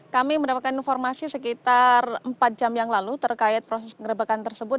kami mendapatkan informasi sekitar empat jam yang lalu terkait proses pengerebekan tersebut